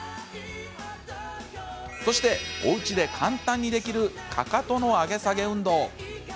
そして、おうちで簡単にできるかかとの上げ下げ運動。